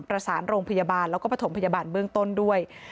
ประสานโรงพยาบาลแล้วก็ประถมพยาบาลเบื้องต้นด้วย